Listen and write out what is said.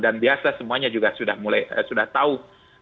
dan biasa semuanya juga sudah tahu